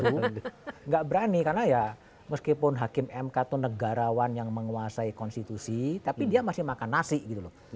tidak berani karena ya meskipun hakim mk itu negarawan yang menguasai konstitusi tapi dia masih makan nasi gitu loh